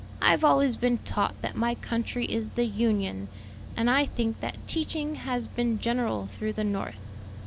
I've always been taught that my country is the Union; and I think that teaching has been general through the North."